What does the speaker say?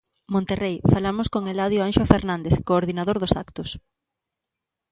Monterrei Falamos con Heladio Anxo Fernández, coordinador dos actos.